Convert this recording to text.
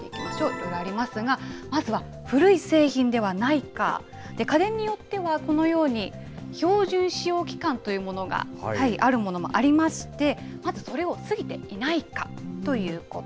いろいろありますが、まずは古い製品ではないか、家電によってはこのように、標準使用期間というものがあるものもありまして、まずそれを過ぎていないかということ。